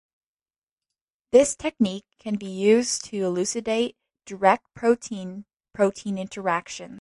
This technique can be used to elucidate direct protein-protein interactions.